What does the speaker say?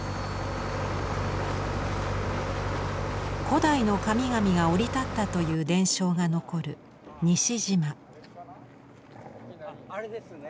古代の神々が降り立ったという伝承が残るあれですね。